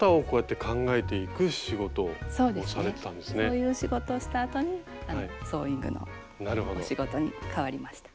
そういう仕事をしたあとにソーイングのお仕事に変わりました。